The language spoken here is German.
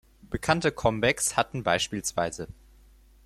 Bekannte Comebacks hatten beispielsweise